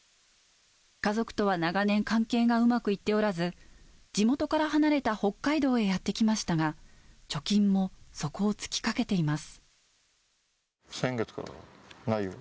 家族とは長年、関係がうまくいっておらず、地元から離れた北海道へやって来ましたが、先月からないよ。